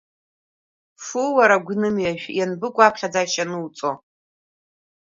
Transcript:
Фу, уара агәнымҩажә, ианбыкәу аԥхьаӡашьа ануҵо!